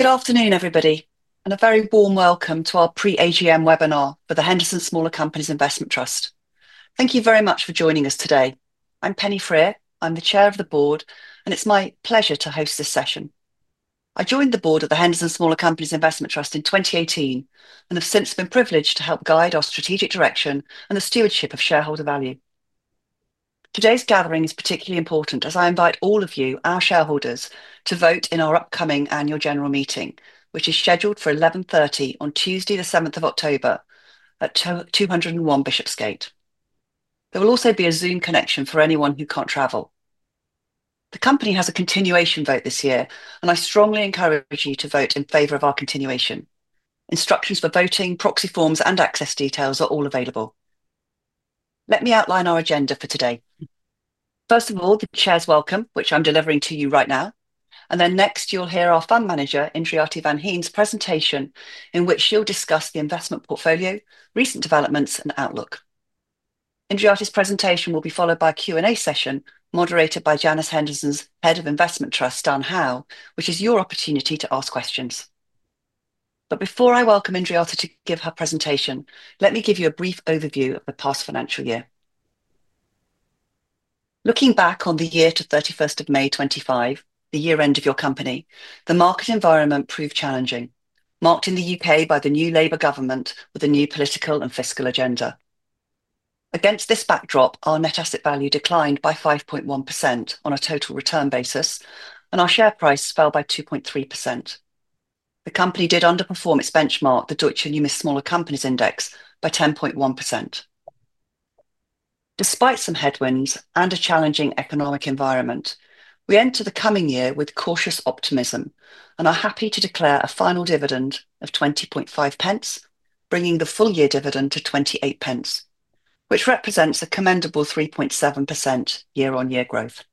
Good afternoon, everybody, and a very warm welcome to our pre-AGM webinar for the Henderson Smaller Companies Investment Trust. Thank you very much for joining us today. I'm Penny Freer. I'm the Chair of the Board, and it's my pleasure to host this session. I joined the Board of the Henderson Smaller Companies Investment Trust in 2018 and have since been privileged to help guide our strategic direction and the stewardship of shareholder value. Today's gathering is particularly important as I invite all of you, our shareholders, to vote in our upcoming annual general meeting, which is scheduled for 11:30 A.M. on Tuesday, the 7th of October, at 201 Bishopsgate. There will also be a Zoom connection for anyone who can't travel. The company has a continuation vote this year, and I strongly encourage you to vote in favor of our continuation. Instructions for voting, proxy forms, and access details are all available. Let me outline our agenda for today. First of all, the Chair's welcome, which I'm delivering to you right now. Next, you'll hear our Fund Manager, Indriatti van Hien, presentation, in which she'll discuss the investment portfolio, recent developments, and outlook. Indriatti's presentation will be followed by a Q&A session, moderated by Janus Henderson's Head of Investment Trusts, Dan Howe, which is your opportunity to ask questions. Before I welcome Indriatti to give her presentation, let me give you a brief overview of the past financial year. Looking back on the year to 31st of May 2025, the year-end of your company, the market environment proved challenging, marked in the U.K. by the new Labour government with a new political and fiscal agenda. Against this backdrop, our net asset value declined by 5.1% on a total return basis, and our share price fell by 2.3%. The company did underperform its benchmark, the Deutsche Numis Smaller Companies Index, by 10.1%. Despite some headwinds and a challenging economic environment, we enter the coming year with cautious optimism and are happy to declare a final dividend of 0.205, bringing the full-year dividend to 0.28, which represents a commendable 3.7% year-on-year growth.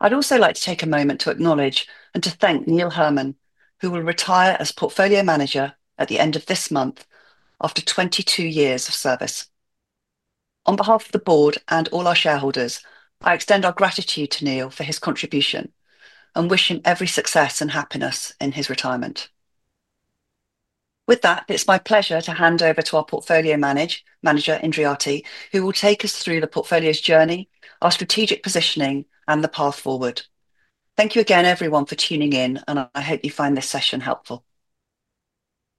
I'd also like to take a moment to acknowledge and to thank Neil Hermon, who will retire as Portfolio Manager at the end of this month after 22 years of service. On behalf of the Board and all our shareholders, I extend our gratitude to Neil for his contribution and wish him every success and happiness in his retirement. With that, it's my pleasure to hand over to our Portfolio Manager, Indriatti, who will take us through the portfolio's journey, our strategic positioning, and the path forward. Thank you again, everyone, for tuning in, and I hope you find this session helpful.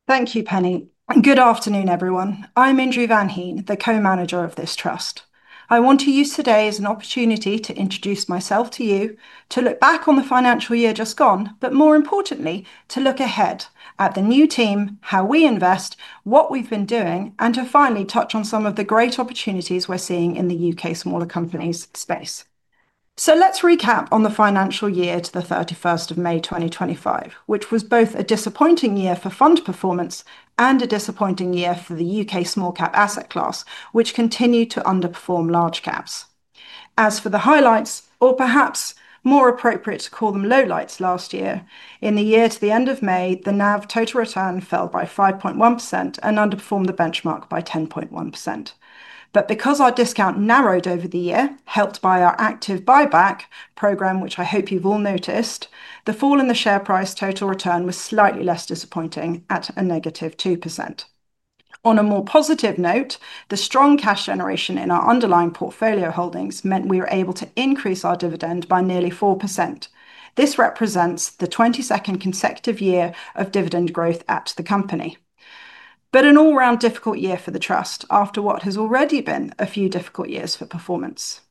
Thank you, Penny. Good afternoon, everyone. I'm Indri van Hien, the Co-Manager of this Trust. I want to use today as an opportunity to introduce myself to you, to look back on the financial year just gone, but more importantly, to look ahead at the new team, how we invest, what we've been doing, and to finally touch on some of the great opportunities we're seeing in the U.K. smaller companies space. Let's recap on the financial year to the 31st of May 2025, which was both a disappointing year for fund performance and a disappointing year for the U.K. small-cap asset class, which continued to underperform large caps. As for the highlights, or perhaps more appropriate to call them lowlights last year, in the year to the end of May, the NAV total return fell by 5.1% and underperformed the benchmark by 10.1%. Because our discount narrowed over the year, helped by our active buyback program, which I hope you've all noticed, the fall in the share price total return was slightly less disappointing at a negative 2%. On a more positive note, the strong cash generation in our underlying portfolio holdings meant we were able to increase our dividend by nearly 4%. This represents the 22nd consecutive year of dividend growth at the company. An all-round difficult year for the Trust after what has already been a few difficult years for performance.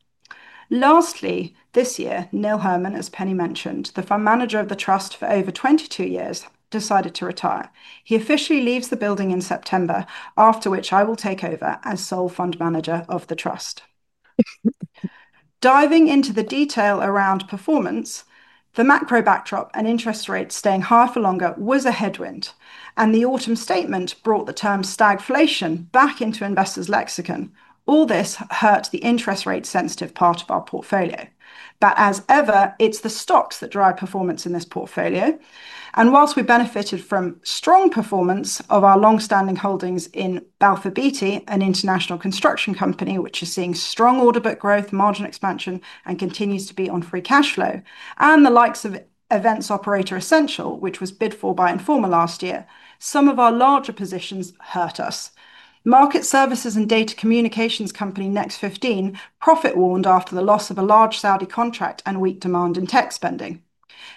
Lastly, this year, Neil Hermon, as Penny mentioned, the Fund Manager of the Trust for over 22 years, decided to retire. He officially leaves the building in September, after which I will take over as sole Fund Manager of the Trust. Diving into the detail around performance, the macro backdrop and interest rates staying high for longer was a headwind, and the autumn statement brought the term stagflation back into investors' lexicon. All this hurt the interest rate-sensitive part of our portfolio. It's the stocks that drive performance in this portfolio. Whilst we benefited from strong performance of our longstanding holdings in Balfour Beatty, an international construction company, which is seeing strong orderbook growth, margin expansion, and continues to be on free cash flow, and the likes of events operator Essential, which was bid for by Informa last year, some of our larger positions hurt us. Market services and data communications company Next 15 Group profit-warned after the loss of a large Saudi contract and weak demand in tech spending.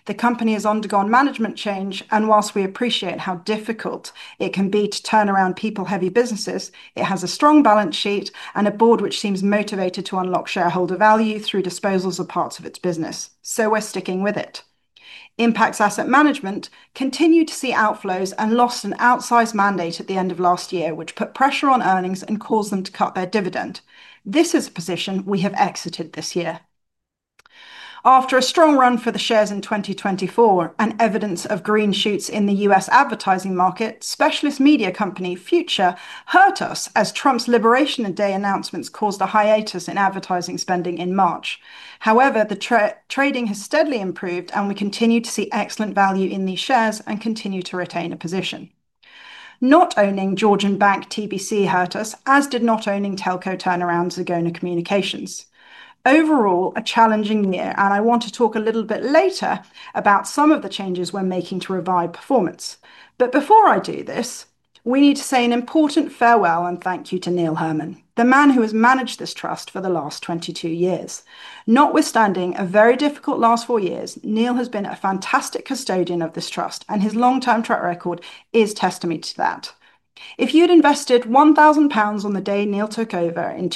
The company has undergone management change, and whilst we appreciate how difficult it can be to turn around people-heavy businesses, it has a strong balance sheet and a Board which seems motivated to unlock shareholder value through disposals of parts of its business. We're sticking with it. Impax Asset Management continued to see outflows and lost an outsized mandate at the end of last year, which put pressure on earnings and caused them to cut their dividend. This is a position we have exited this year. After a strong run for the shares in 2024 and evidence of green shoots in the U.S. advertising market, specialist media company Future hurt us as Trump's liberation of day announcements caused a hiatus in advertising spending in March. However, the trading has steadily improved, and we continue to see excellent value in these shares and continue to retain a position. Not owning Georgian bank, TBC hurt us, as did not owning telco turnaround, Zegona Communications. Overall, a challenging year, and I want to talk a little bit later about some of the changes we're making to revive performance. Before I do this, we need to say an important farewell and thank you to Neil Hermon, the man who has managed this Trust for the last 22 years. Notwithstanding a very difficult last four years, Neil has been a fantastic custodian of this Trust, and his long-term track record is a testament to that. If you'd invested 1,000 pounds on the day Neil took over in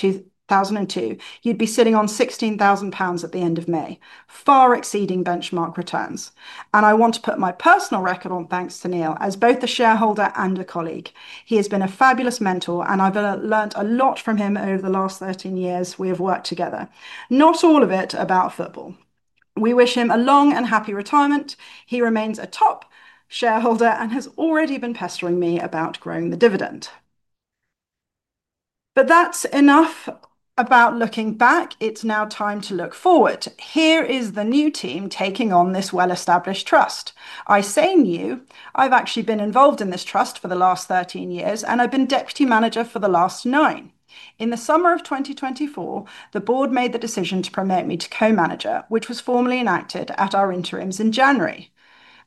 2002, you'd be sitting on 16,000 pounds at the end of May, far exceeding benchmark returns. I want to put my personal record on thanks to Neil as both a shareholder and a colleague. He has been a fabulous mentor, and I've learned a lot from him over the last 13 years we have worked together, not all of it about football. We wish him a long and happy retirement. He remains a top shareholder and has already been pestering me about growing the dividend. That's enough about looking back. It's now time to look forward. Here is the new team taking on this well-established Trust. I say new. I've actually been involved in this Trust for the last 13 years, and I've been Deputy Manager for the last nine. In the summer of 2024, the Board made the decision to promote me to Co-Manager, which was formally enacted at our interims in January.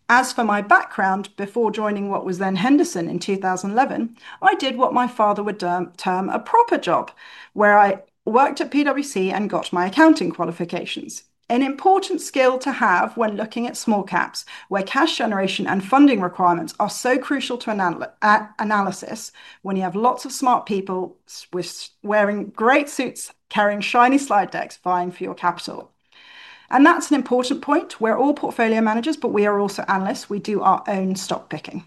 As for my background, before joining what was then Henderson in 2011, I did what my father would term a proper job, where I worked at PwC and got my accounting qualifications, an important skill to have when looking at small caps, where cash generation and funding requirements are so crucial to analysis when you have lots of smart people wearing great suits, carrying shiny slide decks, vying for your capital. That's an important point. We're all Portfolio Managers, but we are also analysts. We do our own stock picking.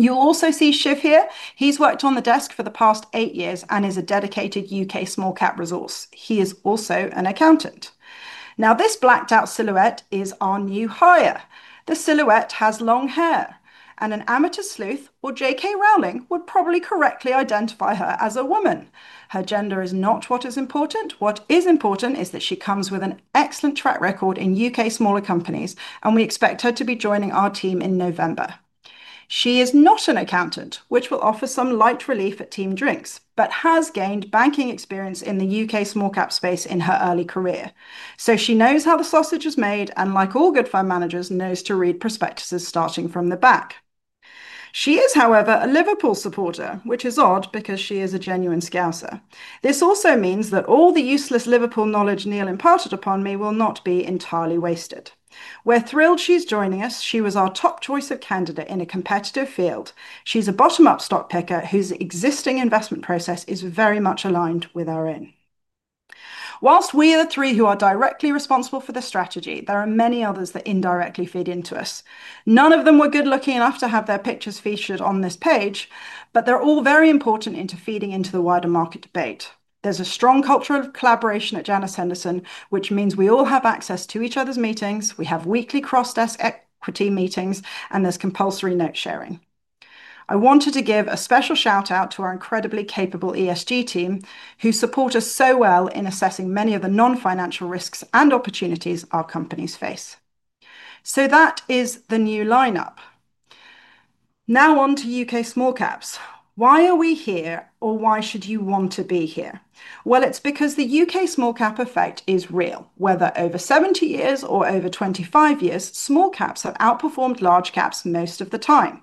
You'll also see Shiv here. He's worked on the desk for the past eight years and is a dedicated U.K. small-cap resource. He is also an accountant. Now, this blacked-out silhouette is our new hire. The silhouette has long hair, and an amateur sleuth or JK Rowling would probably correctly identify her as a woman. Her gender is not what is important. What is important is that she comes with an excellent track record in U.K. smaller companies, and we expect her to be joining our team in November. She is not an accountant, which will offer some light relief at team drinks, but has gained banking experience in the U.K. small-cap space in her early career. She knows how the sausage is made, and like all good Fund Managers, knows to read prospectuses starting from the back. She is, however, a Liverpool FC supporter, which is odd because she is a genuine scouser. This also means that all the useless Liverpool knowledge Neil imparted upon me will not be entirely wasted. We're thrilled she's joining us. She was our top choice of candidate in a competitive field. She's a bottom-up stock picker whose existing investment process is very much aligned with our own. Whilst we are the three who are directly responsible for the strategy, there are many others that indirectly feed into us. None of them were good-looking enough to have their pictures featured on this page, but they're all very important into feeding into the wider market debate. There's a strong culture of collaboration at Janus Henderson, which means we all have access to each other's meetings, we have weekly cross-desk equity meetings, and there's compulsory note-sharing. I wanted to give a special shout-out to our incredibly capable ESG team, who support us so well in assessing many of the non-financial risks and opportunities our companies face. That is the new lineup. Now on to U.K. small caps. Why are we here, or why should you want to be here? It is because the U.K. small-cap effect is real. Whether over 70 years or over 25 years, small caps have outperformed large caps most of the time.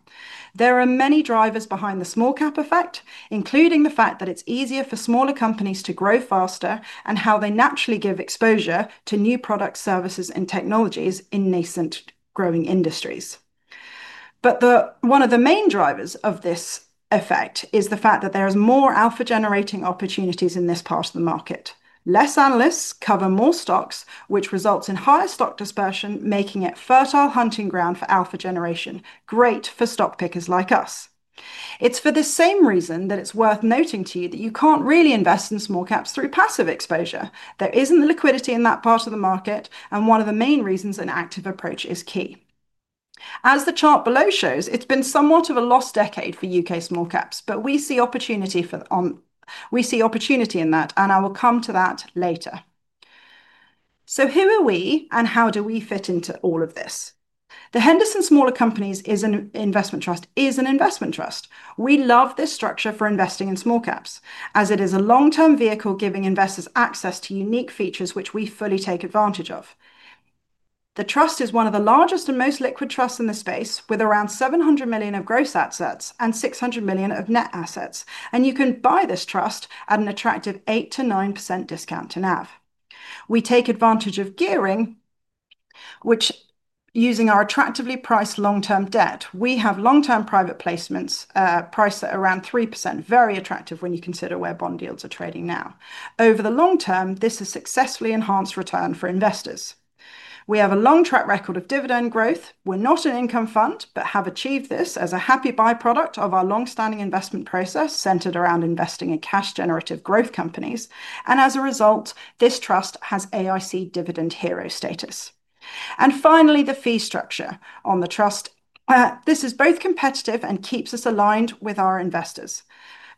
There are many drivers behind the small-cap effect, including the fact that it is easier for smaller companies to grow faster and how they naturally give exposure to new products, services, and technologies in nascent growing industries. One of the main drivers of this effect is the fact that there are more alpha-generating opportunities in this part of the market. Fewer analysts cover more stocks, which results in higher stock dispersion, making it fertile hunting ground for alpha generation, great for stock pickers like us. It is for the same reason that it is worth noting to you that you cannot really invest in small caps through passive exposure. There is not liquidity in that part of the market, and one of the main reasons an active approach is key. As the chart below shows, it has been somewhat of a lost decade for U.K. small caps, but we see opportunity in that, and I will come to that later. Who are we, and how do we fit into all of this? The Henderson Smaller Companies Investment Trust is an investment trust. We love this structure for investing in small caps, as it is a long-term vehicle giving investors access to unique features which we fully take advantage of. The Trust is one of the largest and most liquid trusts in the space, with around 700 million of gross assets and 600 million of net assets. You can buy this Trust at an attractive 8%-9% discount to NAV. We take advantage of gearing, which, using our attractively priced long-term debt, we have long-term private placements priced at around 3%, very attractive when you consider where bond yields are trading now. Over the long term, this has successfully enhanced return for investors. We have a long track record of dividend growth. We are not an income fund, but have achieved this as a happy byproduct of our longstanding investment process centered around investing in cash-generative growth companies. As a result, this Trust has AIC dividend hero status. Finally, the fee structure on the Trust is both competitive and keeps us aligned with our investors.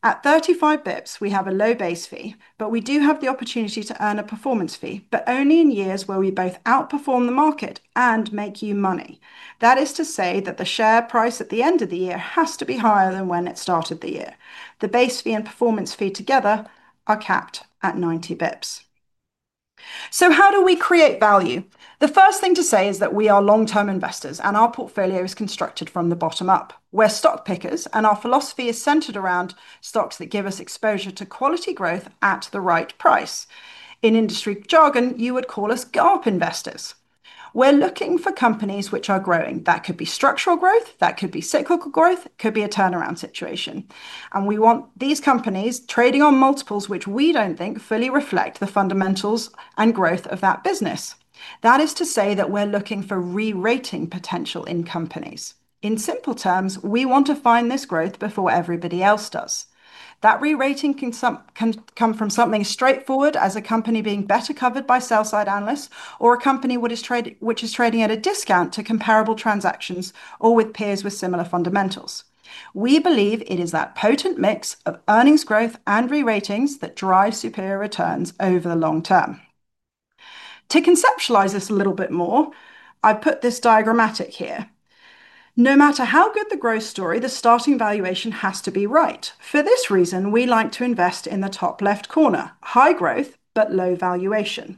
At 35 basis points, we have a low base fee, but we do have the opportunity to earn a performance fee, but only in years where we both outperform the market and make you money. That is to say that the share price at the end of the year has to be higher than when it started the year. The base fee and performance fee together are capped at 90 basis points. How do we create value? The first thing to say is that we are long-term investors, and our portfolio is constructed from the bottom up. We're stock pickers, and our philosophy is centered around stocks that give us exposure to quality growth at the right price. In industry jargon, you would call us GARP investors. We're looking for companies which are growing. That could be structural growth, that could be cyclical growth, it could be a turnaround situation. We want these companies trading on multiples which we don't think fully reflect the fundamentals and growth of that business. That is to say that we're looking for re-rating potential in companies. In simple terms, we want to find this growth before everybody else does. That re-rating can come from something straightforward, as a company being better covered by sell-side analysts, or a company which is trading at a discount to comparable transactions or with peers with similar fundamentals. We believe it is that potent mix of earnings growth and re-ratings that drive superior returns over the long term. To conceptualize this a little bit more, I've put this diagrammatic here. No matter how good the growth story, the starting valuation has to be right. For this reason, we like to invest in the top left corner, high growth but low valuation.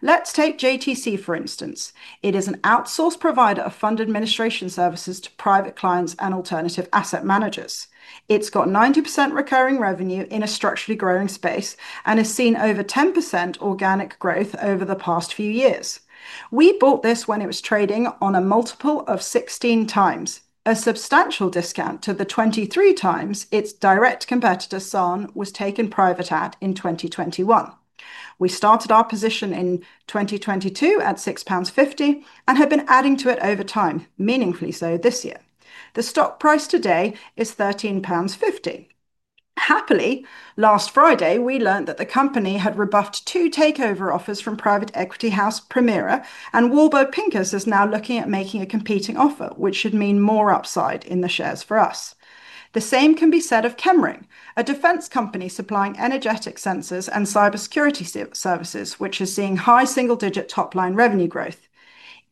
Let's take JTC, for instance. It is an outsourced provider of fund administration services to private clients and alternative asset managers. It's got 90% recurring revenue in a structurally growing space and has seen over 10% organic growth over the past few years. We bought this when it was trading on a multiple of 16 times, a substantial discount to the 23 times its direct competitor SAN was taken private at in 2021. We started our position in 2022 at 6.50 pounds and have been adding to it over time, meaningfully so this year. The stock price today is pounds 13.50. Happily, last Friday, we learned that the company had rebuffed two takeover offers from private equity house Primera, and Warburg Pincus is now looking at making a competing offer, which should mean more upside in the shares for us. The same can be said of Chemring, a defense company supplying energetic sensors and cybersecurity services, which is seeing high single-digit top-line revenue growth.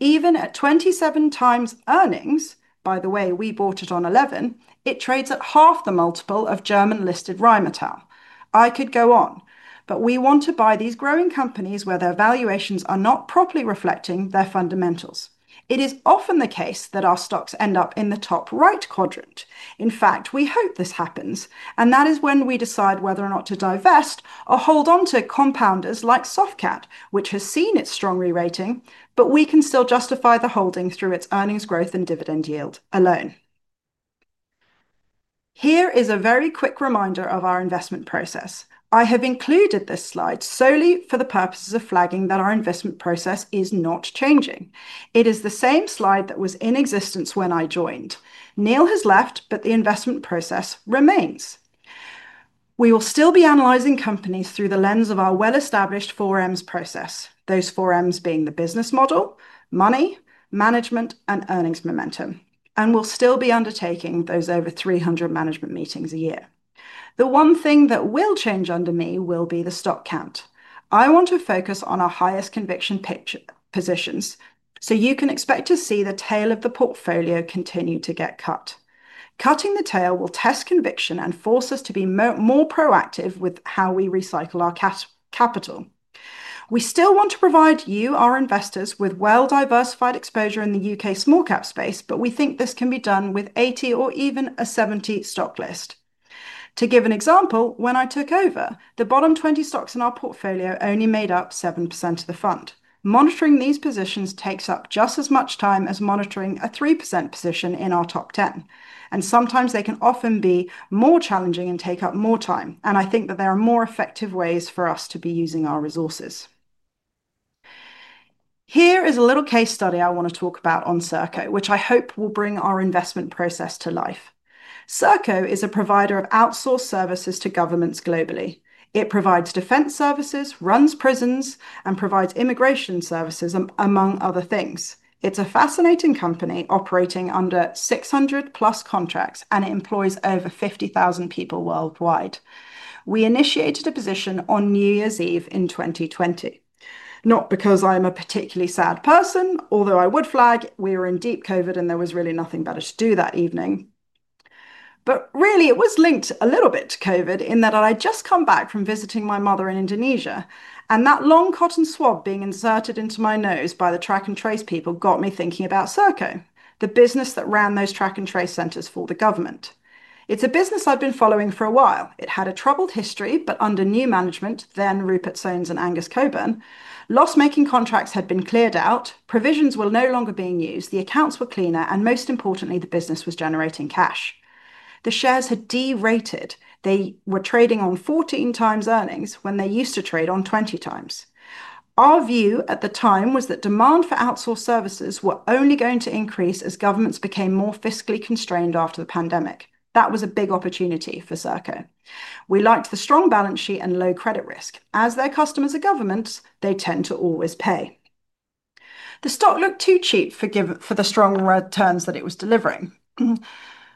Even at 27x earnings, by the way, we bought it on 11, it trades at half the multiple of German-listed Rheinmetall. I could go on, but we want to buy these growing companies where their valuations are not properly reflecting their fundamentals. It is often the case that our stocks end up in the top right quadrant. In fact, we hope this happens, and that is when we decide whether or not to divest or hold on to compounders like Softcat, which has seen its strong re-rating, but we can still justify the holdings through its earnings growth and dividend yield alone. Here is a very quick reminder of our investment process. I have included this slide solely for the purposes of flagging that our investment process is not changing. It is the same slide that was in existence when I joined. Neil has left, but the investment process remains. We will still be analyzing companies through the lens of our well-established 4Ms process, those 4Ms being the business model, money, management, and earnings momentum. We'll still be undertaking those over 300 management meetings a year. The one thing that will change under me will be the stock count. I want to focus on our highest conviction positions, so you can expect to see the tail of the portfolio continue to get cut. Cutting the tail will test conviction and force us to be more proactive with how we recycle our capital. We still want to provide you, our investors, with well-diversified exposure in the U.K. small-cap space, but we think this can be done with 80 or even a 70 stock list. To give an example, when I took over, the bottom 20 stocks in our portfolio only made up 7% of the fund. Monitoring these positions takes up just as much time as monitoring a 3% position in our top 10. Sometimes they can often be more challenging and take up more time. I think that there are more effective ways for us to be using our resources. Here is a little case study I want to talk about on Serco, which I hope will bring our investment process to life. Serco is a provider of outsourced services to governments globally. It provides defense services, runs prisons, and provides immigration services, among other things. It's a fascinating company operating under 600+ contracts, and it employs over 50,000 people worldwide. We initiated a position on New Year's Eve in 2020, not because I'm a particularly sad person, although I would flag we were in deep COVID and there was really nothing better to do that evening. It was linked a little bit to COVID in that I'd just come back from visiting my mother in Indonesia, and that long cotton swab being inserted into my nose by the track and trace people got me thinking about Serco, the business that ran those track and trace centers for the government. It's a business I've been following for a while. It had a troubled history, but under new management, then Rupert Soames and Angus Coburn, loss-making contracts had been cleared out, provisions were no longer being used, the accounts were cleaner, and most importantly, the business was generating cash. The shares had de-rated. They were trading on 14 times earnings when they used to trade on 20 times. Our view at the time was that demand for outsourced services was only going to increase as governments became more fiscally constrained after the pandemic. That was a big opportunity for Serco. We liked the strong balance sheet and low credit risk. As their customers are governments, they tend to always pay. The stock looked too cheap for the strong returns that it was delivering.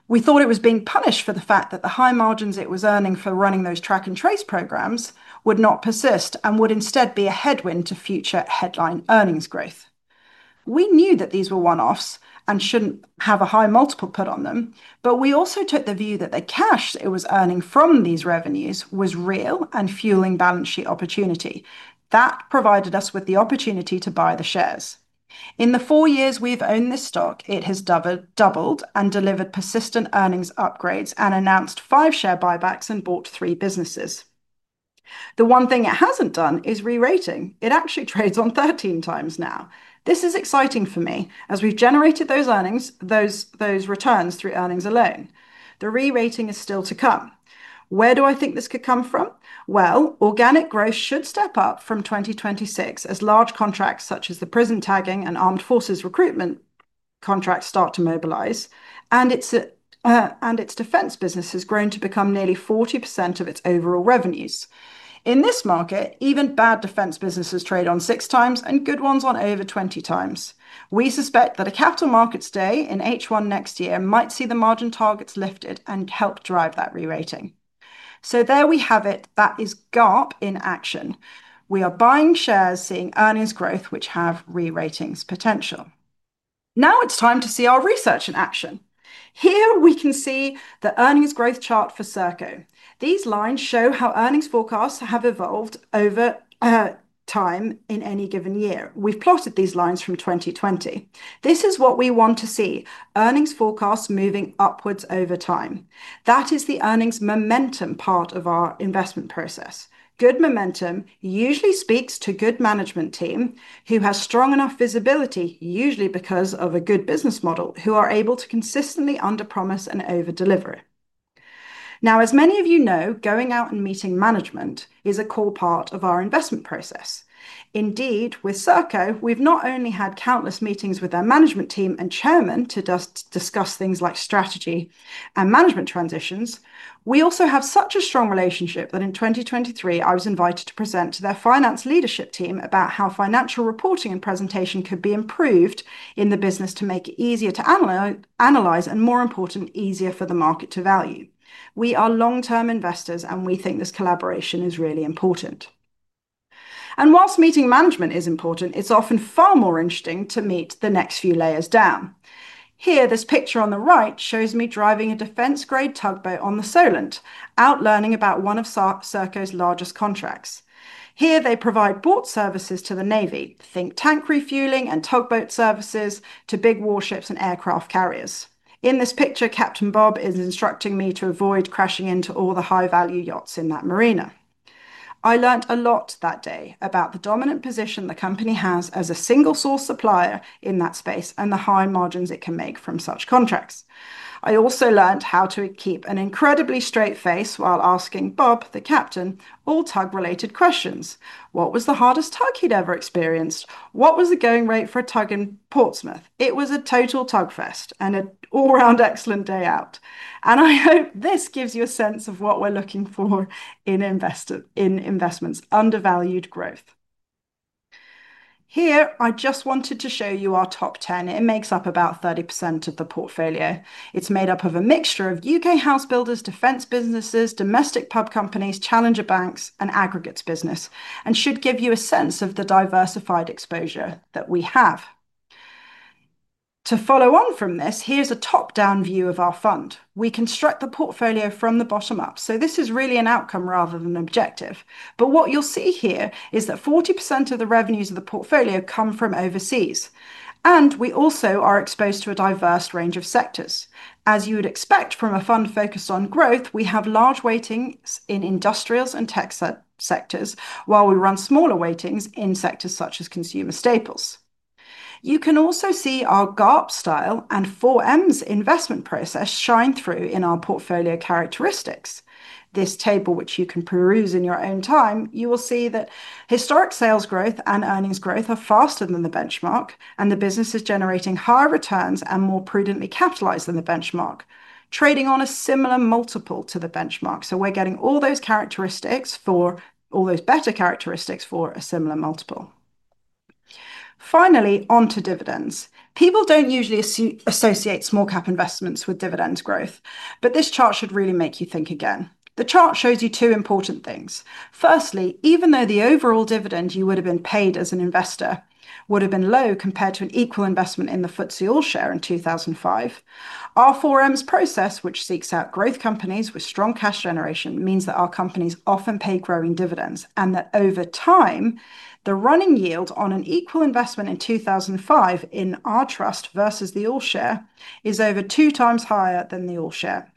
We thought it was being punished for the fact that the high margins it was earning for running those track and trace programs would not persist and would instead be a headwind to future headline earnings growth. We knew that these were one-offs and shouldn't have a high multiple put on them, but we also took the view that the cash it was earning from these revenues was real and fueling balance sheet opportunity. That provided us with the opportunity to buy the shares. In the four years we've owned this stock, it has doubled and delivered persistent earnings upgrades and announced five share buybacks and bought three businesses. The one thing it hasn't done is re-rating. It actually trades on 13x now. This is exciting for me, as we've generated those earnings, those returns through earnings alone. The re-rating is still to come. Where do I think this could come from? Organic growth should step up from 2026 as large contracts such as the prison tagging and armed forces recruitment contracts start to mobilize, and its defense business has grown to become nearly 40% of its overall revenues. In this market, even bad defense businesses trade on 6x and good ones on over 20x. We suspect that a capital markets day in H1 next year might see the margin targets lifted and help drive that re-rating. There we have it. That is GARP in action. We are buying shares seeing earnings growth which have re-rating potential. Now it's time to see our research in action. Here we can see the earnings growth chart for Serco. These lines show how earnings forecasts have evolved over time in any given year. We've plotted these lines from 2020. This is what we want to see, earnings forecasts moving upwards over time. That is the earnings momentum part of our investment process. Good momentum usually speaks to a good management team who has strong enough visibility, usually because of a good business model, who are able to consistently under-promise and over-deliver. As many of you know, going out and meeting management is a core part of our investment process. Indeed, with Serco, we've not only had countless meetings with their management team and Chairman to discuss things like strategy and management transitions, we also have such a strong relationship that in 2023, I was invited to present to their finance leadership team about how financial reporting and presentation could be improved in the business to make it easier to analyze, and more important, easier for the market to value. We are long-term investors, and we think this collaboration is really important. Whilst meeting management is important, it's often far more interesting to meet the next few layers down. Here, this picture on the right shows me driving a defense-grade tugboat on the Solent, out learning about one of Serco's largest contracts. Here, they provide boat services to the Navy, think tank refueling and tugboat services to big warships and aircraft carriers. In this picture, Captain Bob is instructing me to avoid crashing into all the high-value yachts in that marina. I learned a lot that day about the dominant position the company has as a single-source supplier in that space and the high margins it can make from such contracts. I also learned how to keep an incredibly straight face while asking Bob, the captain, all tug-related questions. What was the hardest tug he'd ever experienced? What was the going rate for a tug in Portsmouth? It was a total tug fest and an all-round excellent day out. I hope this gives you a sense of what we're looking for in investments: undervalued growth. Here, I just wanted to show you our top 10. It makes up about 30% of the portfolio. It's made up of a mixture of U.K. house builders, defense businesses, domestic pub companies, challenger banks, and aggregates business, and should give you a sense of the diversified exposure that we have. To follow on from this, here's a top-down view of our fund. We construct the portfolio from the bottom up, so this is really an outcome rather than an objective. What you'll see here is that 40% of the revenues of the portfolio come from overseas, and we also are exposed to a diverse range of sectors. As you would expect from a fund focused on growth, we have large weightings in industrials and tech sectors, while we run smaller weightings in sectors such as consumer staples. You can also see our GARP style and 4Ms investment process shine through in our portfolio characteristics. This table, which you can peruse in your own time, you will see that historic sales growth and earnings growth are faster than the benchmark, and the business is generating higher returns and more prudently capitalized than the benchmark, trading on a similar multiple to the benchmark. We're getting all those characteristics for all those better characteristics for a similar multiple. Finally, onto dividends. People don't usually associate small-cap investments with dividend growth, but this chart should really make you think again. The chart shows you two important things. Firstly, even though the overall dividend you would have been paid as an investor would have been low compared to an equal investment in the FTSE All-Share in 2005, our 4Ms process, which seeks out growth companies with strong cash generation, means that our companies often pay growing dividends and that over time, the running yield on an equal investment in 2005 in our Trust versus the All-Share is over two times higher than the All-Share.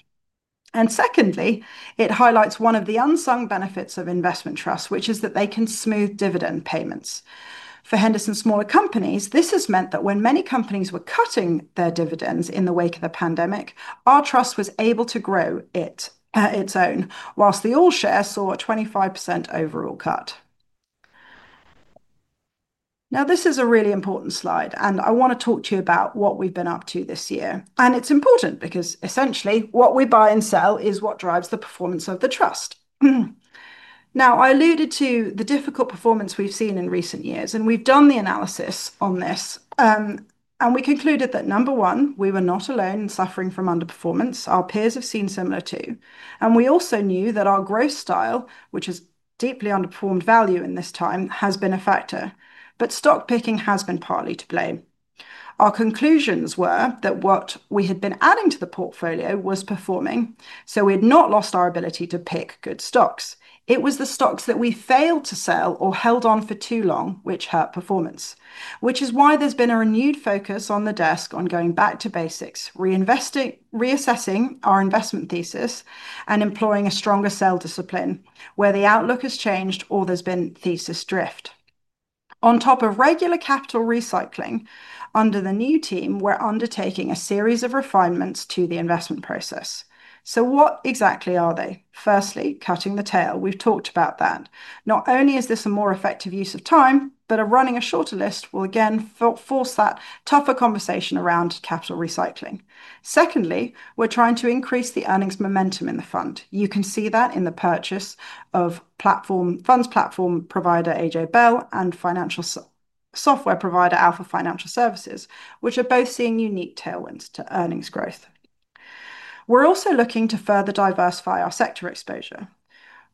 Secondly, it highlights one of the unsung benefits of investment trusts, which is that they can smooth dividend payments. For Henderson Smaller Companies, this has meant that when many companies were cutting their dividends in the wake of the pandemic, our Trust was able to grow its own, whilst the All-Share saw a 25% overall cut. Now, this is a really important slide, and I want to talk to you about what we've been up to this year. It's important because essentially what we buy and sell is what drives the performance of the Trust. I alluded to the difficult performance we've seen in recent years, and we've done the analysis on this. We concluded that, number one, we were not alone in suffering from underperformance. Our peers have seen similar too. We also knew that our growth style, which has deeply underperformed value in this time, has been a factor. Stock picking has been partly to blame. Our conclusions were that what we had been adding to the portfolio was performing, so we had not lost our ability to pick good stocks. It was the stocks that we failed to sell or held on for too long, which hurt performance. This is why there's been a renewed focus on the desk on going back to basics, reassessing our investment thesis, and employing a stronger sell discipline, where the outlook has changed or there's been thesis drift. On top of regular capital recycling, under the new team, we're undertaking a series of refinements to the investment process. What exactly are they? Firstly, cutting the tail. We've talked about that. Not only is this a more effective use of time, but running a shorter list will again force that tougher conversation around capital recycling. Secondly, we're trying to increase the earnings momentum in the fund. You can see that in the purchase of funds platform provider AJ Bell and financial software provider Alpha Financial Services, which are both seeing unique tailwinds to earnings growth. We're also looking to further diversify our sector exposure.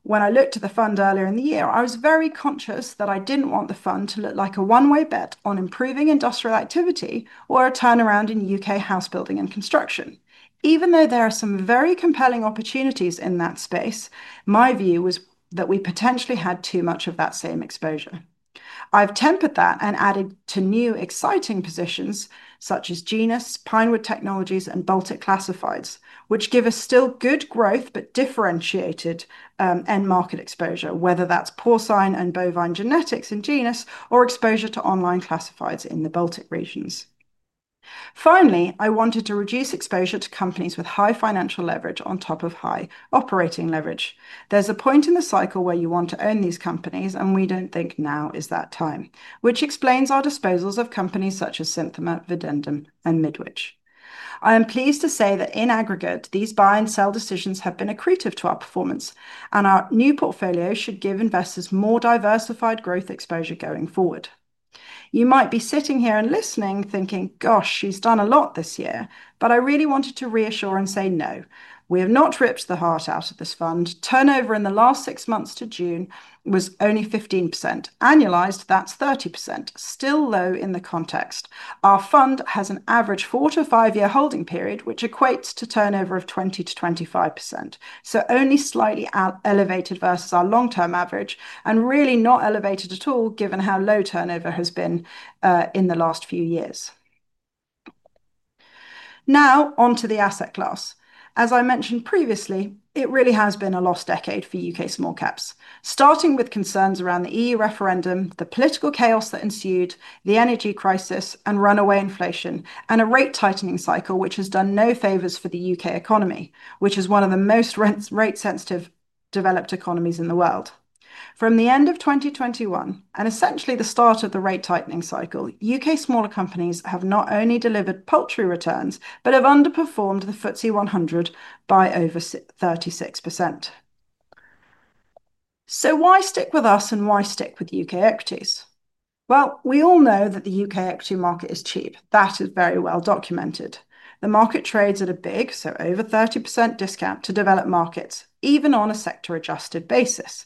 When I looked at the fund earlier in the year, I was very conscious that I didn't want the fund to look like a one-way bet on improving industrial activity or a turnaround in U.K. house building and construction. Even though there are some very compelling opportunities in that space, my view was that we potentially had too much of that same exposure. I've tempered that and added to new exciting positions such as Genius, Pinewood Technologies, and Baltic Classifieds, which give us still good growth but differentiated end-market exposure, whether that's Porcine and Bovine Genetics in Genius or exposure to Online Classifieds in the Baltic regions. Finally, I wanted to reduce exposure to companies with high financial leverage on top of high operating leverage. There's a point in the cycle where you want to own these companies, and we don't think now is that time, which explains our disposals of companies such as Synthema, Videndum, and Midwich. I am pleased to say that in aggregate, these buy and sell decisions have been accretive to our performance, and our new portfolio should give investors more diversified growth exposure going forward. You might be sitting here and listening thinking, gosh, she's done a lot this year, but I really wanted to reassure and say no. We have not ripped the heart out of this fund. Turnover in the last six months to June was only 15%. Annualized, that's 30%. Still low in the context. Our fund has an average four to five-year holding period, which equates to turnover of 20-25%. Only slightly elevated versus our long-term average, and really not elevated at all given how low turnover has been in the last few years. Now, onto the asset class. As I mentioned previously, it really has been a lost decade for U.K. small caps, starting with concerns around the EU referendum, the political chaos that ensued, the energy crisis, and runaway inflation, and a rate tightening cycle which has done no favors for the U.K. economy, which is one of the most rate-sensitive developed economies in the world. From the end of 2021, and essentially the start of the rate tightening cycle, U.K. smaller companies have not only delivered paltry returns, but have underperformed the FTSE 100 by over 36%. Why stick with us and why stick with U.K. equities? The U.K. equity market is cheap. That is very well documented. The market trades at a big, so over 30% discount to developed markets, even on a sector-adjusted basis.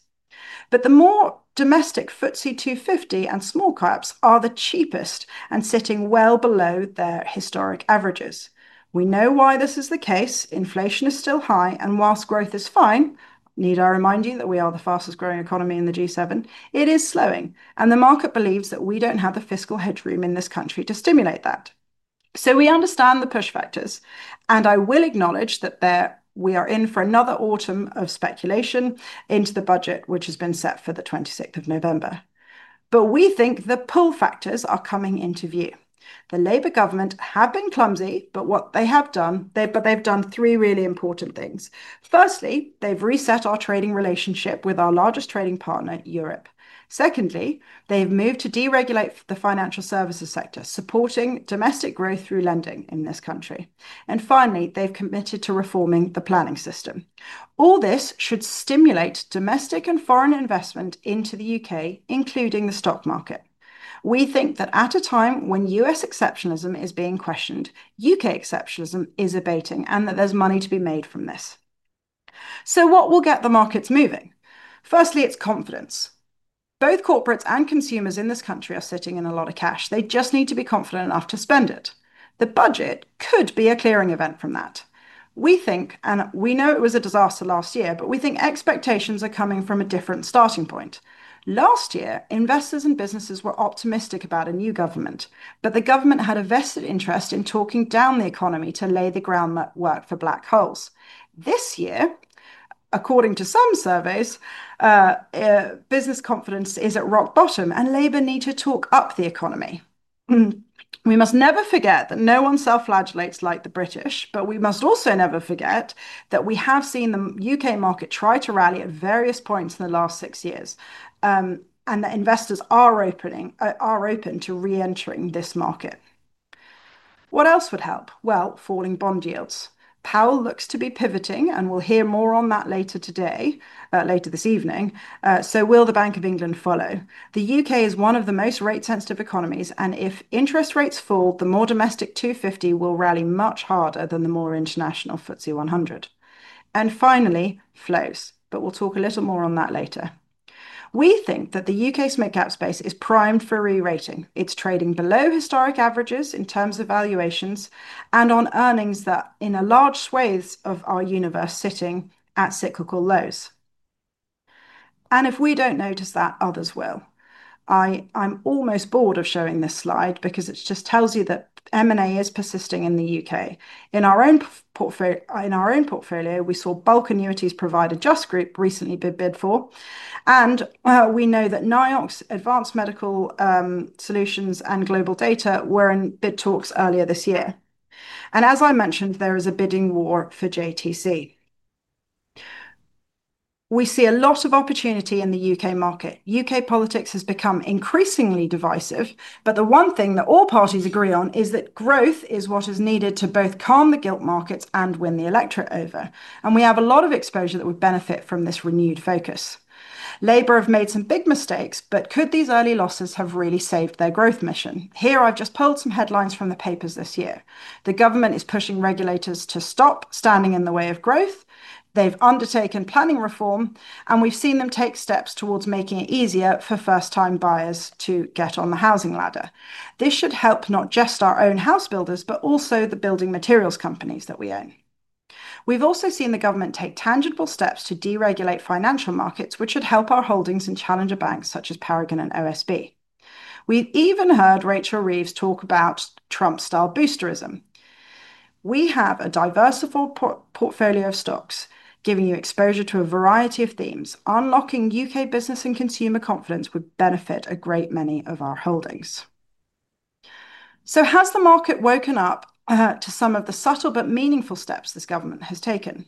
The more domestic FTSE 250 and small caps are the cheapest and sitting well below their historic averages. We know why this is the case. Inflation is still high, and whilst growth is fine, need I remind you that we are the fastest growing economy in the G7, it is slowing, and the market believes that we don't have the fiscal headroom in this country to stimulate that. We understand the push factors, and I will acknowledge that we are in for another autumn of speculation into the budget, which has been set for the 26th of November. We think the pull factors are coming into view. The Labour government have been clumsy, but what they have done, they've done three really important things. Firstly, they've reset our trading relationship with our largest trading partner, Europe. Secondly, they've moved to deregulate the financial services sector, supporting domestic growth through lending in this country. Finally, they've committed to reforming the planning system. All this should stimulate domestic and foreign investment into the U.K., including the stock market. We think that at a time when U.S. exceptionalism is being questioned, U.K. exceptionalism is abating, and that there's money to be made from this. What will get the markets moving? Firstly, it's confidence. Both corporates and consumers in this country are sitting in a lot of cash. They just need to be confident enough to spend it. The budget could be a clearing event for that. We think, and we know it was a disaster last year, but we think expectations are coming from a different starting point. Last year, investors and businesses were optimistic about a new government, but the government had a vested interest in talking down the economy to lay the groundwork for black holes. This year, according to some surveys, business confidence is at rock bottom, and Labour need to talk up the economy. We must never forget that no one self-flagellates like the British, but we must also never forget that we have seen the U.K. market try to rally at various points in the last six years, and that investors are open to re-entering this market. What else would help? Falling bond yields. Powell looks to be pivoting, and we'll hear more on that later today, later this evening. Will the Bank of England follow? The U.K. is one of the most rate-sensitive economies, and if interest rates fall, the more domestic 250 will rally much harder than the more international FTSE 100. Finally, flows, but we'll talk a little more on that later. We think that the U.K.'s mid-cap space is primed for re-rating. It's trading below historic averages in terms of valuations and on earnings that are in a large swathe of our universe sitting at cyclical lows. If we don't notice that, others will. I'm almost bored of showing this slide because it just tells you that M&A is persisting in the UK. In our own portfolio, we saw bulk annuities provider Just Group recently be bid for, and we know that NIOX, Advanced Medical Solutions, and Global Data were in bid talks earlier this year. As I mentioned, there is a bidding war for JTC. We see a lot of opportunity in the U.K. market. U.K. politics has become increasingly divisive, but the one thing that all parties agree on is that growth is what is needed to both calm the gilt markets and win the electorate over. We have a lot of exposure that would benefit from this renewed focus. Labour have made some big mistakes, but could these early losses have really saved their growth mission? Here, I've just pulled some headlines from the papers this year. The government is pushing regulators to stop standing in the way of growth. They've undertaken planning reform, and we've seen them take steps towards making it easier for first-time buyers to get on the housing ladder. This should help not just our own house builders, but also the building materials companies that we own. We've also seen the government take tangible steps to deregulate financial markets, which would help our holdings in challenger banks such as Paragon and OSB. We've even heard Rachel Reeves talk about Trump-style boosterism. We have a diversified portfolio of stocks, giving you exposure to a variety of themes. Unlocking U.K. business and consumer confidence would benefit a great many of our holdings. Has the market woken up to some of the subtle but meaningful steps this government has taken?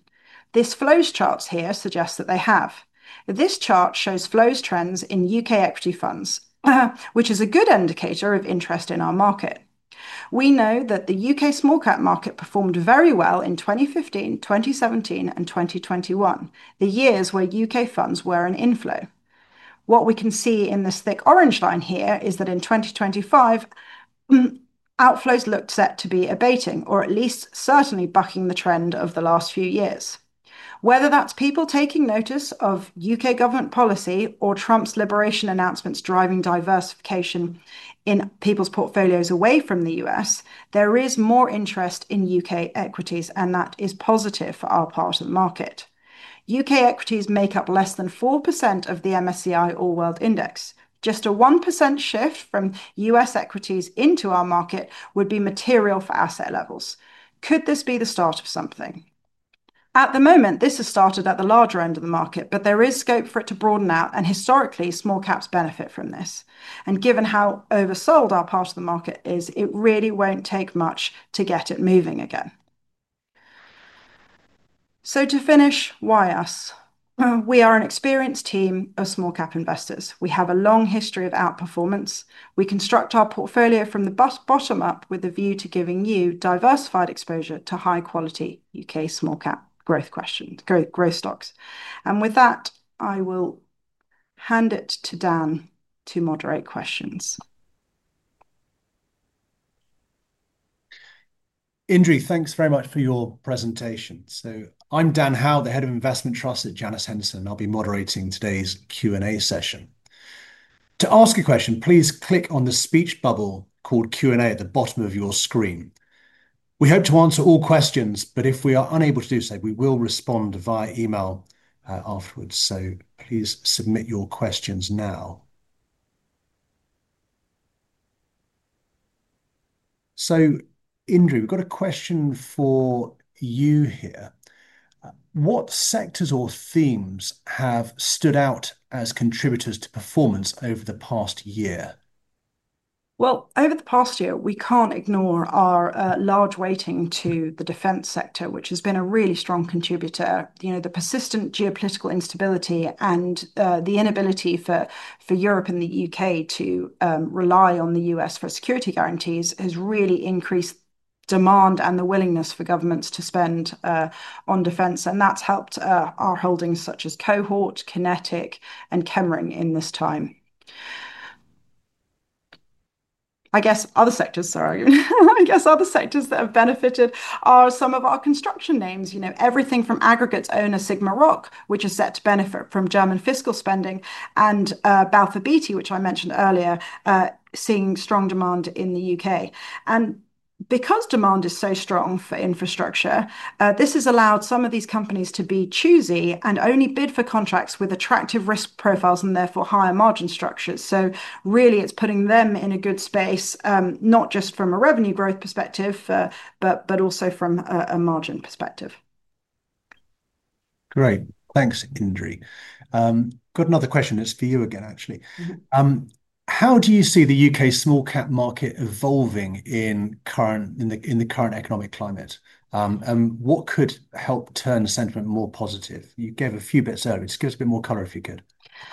This flow chart here suggests that they have. This chart shows flows trends in U.K. equity funds, which is a good indicator of interest in our market. We know that the U.K. small-cap market performed very well in 2015, 2017, and 2021, the years where U.K. funds were in inflow. What we can see in this thick orange line here is that in 2025, outflows look set to be abating, or at least certainly bucking the trend of the last few years. Whether that's people taking notice of U.K. government policy or Trump's liberation announcements driving diversification in people's portfolios away from the U.S., there is more interest in U.K. equities, and that is positive for our part of the market. U.K. equities make up less than 4% of the MSCI All-World Index. Just a 1% shift from U.S. equities into our market would be material for asset levels. Could this be the start of something? At the moment, this has started at the larger end of the market, but there is scope for it to broaden out, and historically, small caps benefit from this. Given how oversold our part of the market is, it really won't take much to get it moving again. To finish, why us? We are an experienced team of small-cap investors. We have a long history of outperformance. We construct our portfolio from the bottom up with a view to giving you diversified exposure to high-quality U.K. small-cap growth stocks. With that, I will hand it to Dan to moderate questions. Indri, thanks very much for your presentation. I'm Dan Howe, the Head of Investment Trusts at Janus Henderson. I'll be moderating today's Q&A session. To ask a question, please click on the speech bubble called Q&A at the bottom of your screen. We hope to answer all questions, but if we are unable to do so, we will respond via email afterwards. Please submit your questions now. Indri, we've got a question for you here. What sectors or themes have stood out as contributors to performance over the past year? Over the past year, we can't ignore our large weighting to the defense sector, which has been a really strong contributor. The persistent geopolitical instability and the inability for Europe and the U.K. to rely on the U.S. for security guarantees has really increased demand and the willingness for governments to spend on defense, and that's helped our holdings such as Cohort, QinetiQ, and Chemring in this time. Other sectors that have benefited are some of our construction names. Everything from aggregates owner SigmaRoc, which is set to benefit from German fiscal spending, and Balfour Beatty, which I mentioned earlier, seeing strong demand in the U.K. Because demand is so strong for infrastructure, this has allowed some of these companies to be choosy and only bid for contracts with attractive risk profiles and therefore higher margin structures. It's putting them in a good space, not just from a revenue growth perspective, but also from a margin perspective. Great. Thanks, Indri. Got another question. It's for you again, actually. How do you see the U.K. small-cap market evolving in the current economic climate? What could help turn the sentiment more positive? You gave a few bits earlier. Just give us a bit more color, if you could.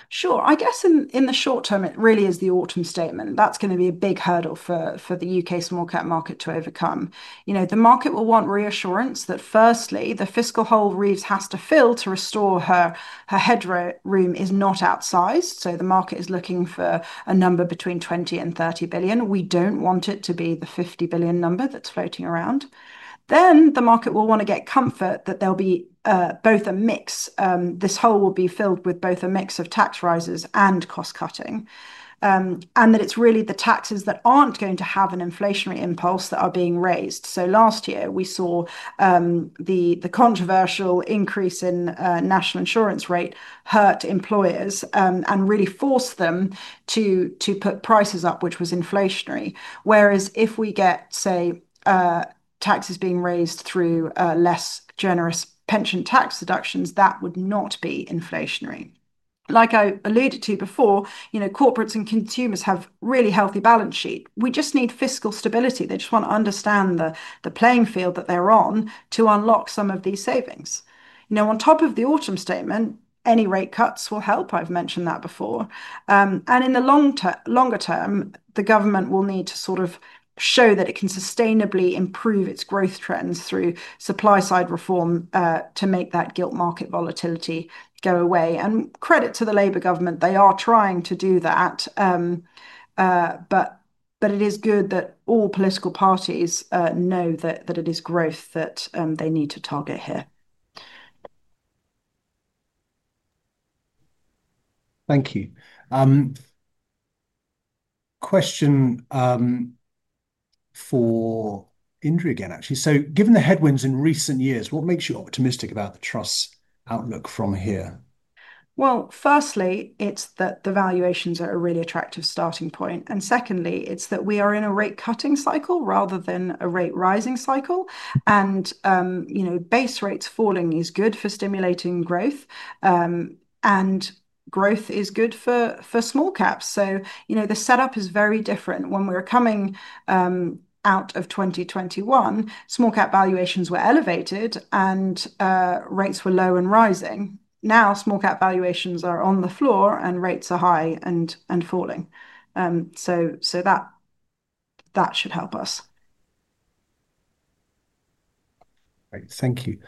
Sure. I guess in the short term, it really is the autumn statement. That's going to be a big hurdle for the U.K. small-cap market to overcome. The market will want reassurance that firstly, the fiscal hole Reeves has to fill to restore her headroom is not outsized. The market is looking for a number between 20 billion and 30 billion. We don't want it to be the 50 billion number that's floating around. The market will want to get comfort that there will be both a mix. This hole will be filled with both a mix of tax rises and cost cutting, and that it's really the taxes that aren't going to have an inflationary impulse that are being raised. Last year, we saw the controversial increase in national insurance rate hurt employers and really forced them to put prices up, which was inflationary. If we get, say, taxes being raised through less generous pension tax deductions, that would not be inflationary. Like I alluded to before, corporates and consumers have really healthy balance sheets. We just need fiscal stability. They just want to understand the playing field that they're on to unlock some of these savings. On top of the autumn statement, any rate cuts will help. I've mentioned that before. In the longer term, the government will need to sort of show that it can sustainably improve its growth trends through supply-side reform to make that gilt market volatility go away. Credit to the Labour government, they are trying to do that. It is good that all political parties know that it is growth that they need to target here. Thank you. Question for Indri again, actually. Given the headwinds in recent years, what makes you optimistic about the Trust's outlook from here? Firstly, it's that the valuations are a really attractive starting point. Secondly, it's that we are in a rate-cutting cycle rather than a rate-rising cycle. You know, base rates falling is good for stimulating growth, and growth is good for small caps. The setup is very different. When we were coming out of 2021, small-cap valuations were elevated and rates were low and rising. Now, small-cap valuations are on the floor and rates are high and falling. That should help us. Thank you.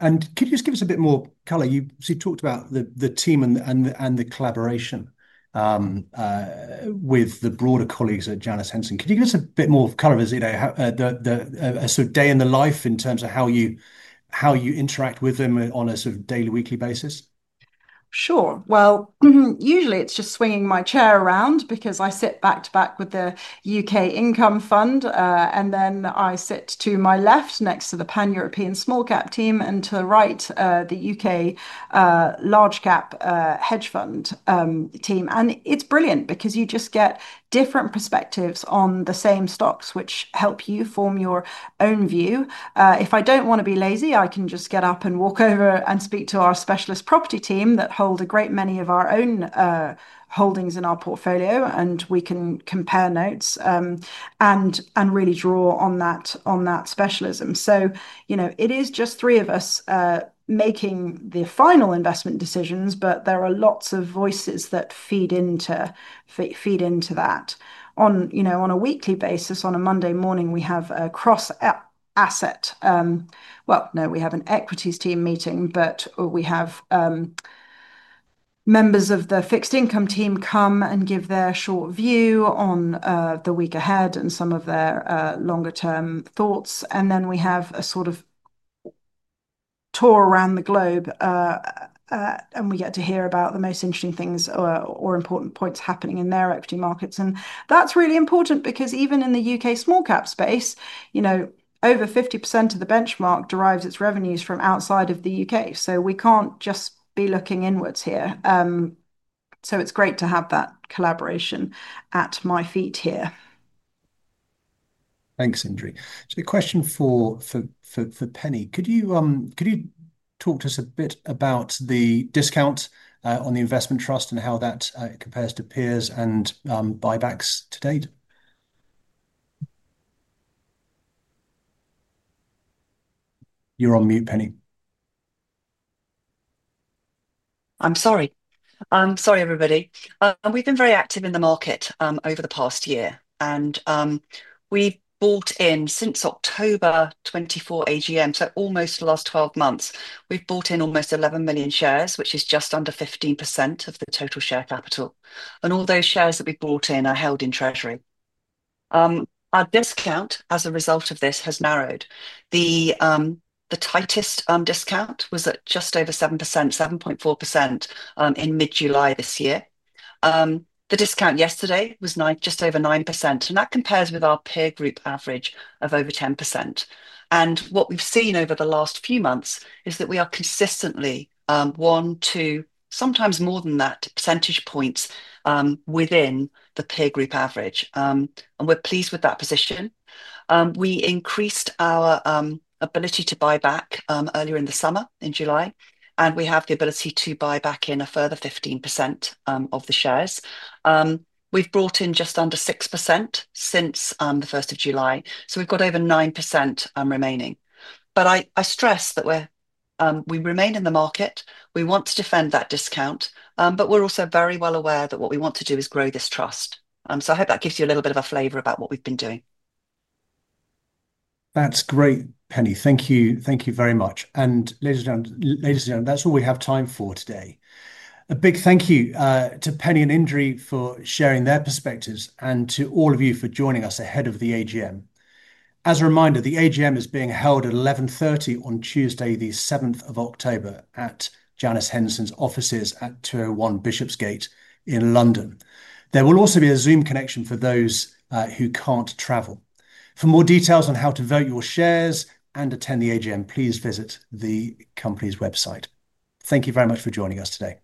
Could you just give us a bit more color? You talked about the team and the collaboration with the broader colleagues at Janus Henderson. Could you give us a bit more color as a sort of day in the life in terms of how you interact with them on a daily or weekly basis? Sure. Usually, it's just swinging my chair around because I sit back to back with the U.K. income fund, and then I sit to my left next to the Pan-European small-cap team and to the right, the U.K. large-cap hedge fund team. It's brilliant because you just get different perspectives on the same stocks, which help you form your own view. If I don't want to be lazy, I can just get up and walk over and speak to our specialist property team that hold a great many of our own holdings in our portfolio, and we can compare notes and really draw on that specialism. It is just three of us making the final investment decisions, but there are lots of voices that feed into that. On a weekly basis, on a Monday morning, we have a cross-asset, no, we have an equities team meeting, but we have members of the fixed income team come and give their short view on the week ahead and some of their longer-term thoughts. We have a sort of tour around the globe, and we get to hear about the most interesting things or important points happening in their equity markets. That's really important because even in the U.K. small-cap space, over 50% of the benchmark derives its revenues from outside of the U.K. We can't just be looking inwards here. It's great to have that collaboration at my feet here. Thanks, Indri. Question for Penny. Could you talk to us a bit about the discount on the investment trust and how that compares to peers and buybacks to date? You're on mute, Penny. Sorry, everybody. We've been very active in the market over the past year, and we've bought in since the October 2024 AGM, so almost the last 12 months. We've bought in almost 11 million shares, which is just under 15% of the total share capital. All those shares that we've bought in are held in treasury. Our discount as a result of this has narrowed. The tightest discount was at just over 7%-7.4% in mid-July this year. The discount yesterday was just over 9%, and that compares with our peer group average of over 10%. What we've seen over the last few months is that we are consistently one, two, sometimes more than that, percentage points within the peer group average. We're pleased with that position. We increased our ability to buy back earlier in the summer, in July, and we have the ability to buy back in a further 15% of the shares. We've brought in just under 6% since the 1st of July, so we've got over 9% remaining. I stress that we remain in the market. We want to defend that discount, but we're also very well aware that what we want to do is grow this trust. I hope that gives you a little bit of a flavor about what we've been doing. That's great, Penny. Thank you. Thank you very much. Ladies and gentlemen, that's all we have time for today. A big thank you to Penny and Indri for sharing their perspectives and to all of you for joining us ahead of the AGM. As a reminder, the AGM is being held at 11:30 A.M. on Tuesday, the 7th of October, at Janus Henderson's offices at 201 Bishopsgate in London. There will also be a Zoom connection for those who can't travel. For more details on how to vote your shares and attend the AGM, please visit the company's website. Thank you very much for joining us today.